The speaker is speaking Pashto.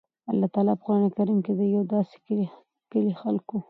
الله تعالی په قران کريم کي د يو داسي کلي خلکو